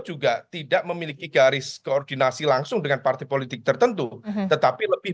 juga tidak memiliki garis koordinasi langsung dengan partai politik tertentu tetapi lebih